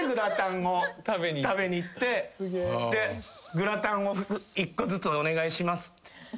で「グラタンを１個ずつお願いします」っつって。